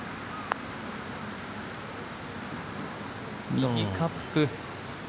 右カップ。